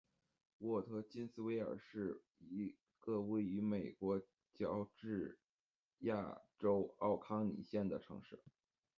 沃特金斯维尔是一个位于美国乔治亚州奥康尼县的城市。